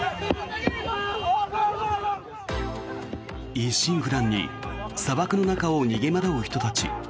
一心不乱に砂漠の中を逃げ惑う人たち。